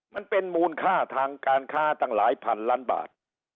มันเป็นมูลค่าทางการค้าตั้งหลายพันล้านบาท